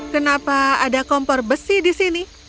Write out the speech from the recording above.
kenapa ada kompor besi di sini